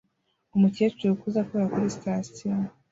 Umukecuru ukuze akora kuri sitasiyo